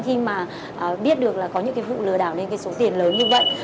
khi mà biết được là có những cái vụ lừa đảo lên cái số tiền lớn như vậy